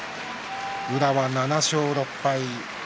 宇良は７勝６敗。